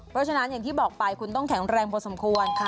เพราะฉะนั้นอย่างที่บอกไปคุณต้องแข็งแรงพอสมควร